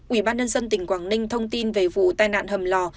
ubnd tỉnh quảng ninh thông tin về vụ tai nạn hầm lò